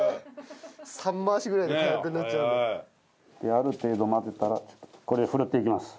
ある程度混ぜたらこれでふるっていきます。